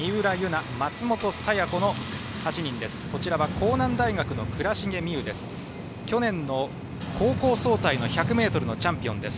甲南大学の藏重みうは去年の高校総体１００ｍのチャンピオンです。